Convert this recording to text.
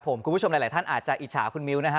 ผมคุณผู้ชมหลายท่านอาจจะอิจฉาคุณมิ้วนะฮะ